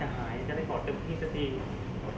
อยากหอดลูกเนอะพี่เม้ย